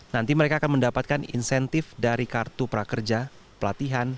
nanti mereka akan mendapatkan insentif dari kartu prakerja pelatihan